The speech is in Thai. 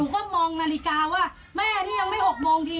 ก็มองนาฬิกาว่าแม่นี่ยังไม่๖โมงที